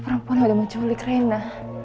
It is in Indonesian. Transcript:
perempuan yang mulai menculik rena